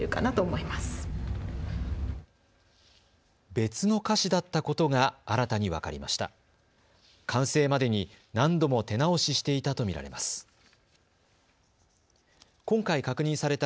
別の歌詞だったことが新たに分かりました。